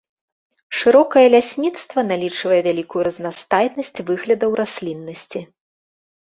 Шырокае лясніцтва налічвае вялікую разнастайнасць выглядаў расліннасці.